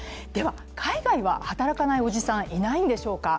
海外は働かないおじさん、いないんでしょうか？